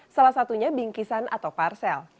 salah satunya bingkisan atau parsel